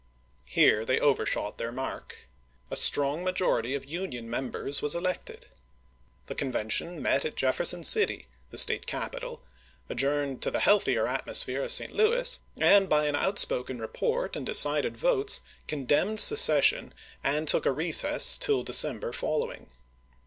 Here they overshot their mark. A strong majority of Union members was elected. The convention met at Jefferson City, the State Feb.28,i86i. capital, adjourned to the healthier atmosphere of St. Louis, and by an outspoken report and decided votes condemned secession and took a recess till Mar.22,i86i. December following.